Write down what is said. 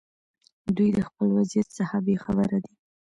دوی د خپل وضعیت څخه بې خبره دي.